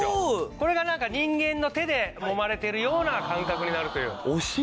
これがなんか人間の手でもまれているような感覚になるという。